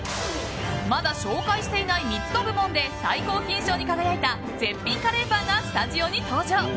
まだ紹介していない３つの部門で最高金賞に輝いた絶品カレーパンがスタジオに登場。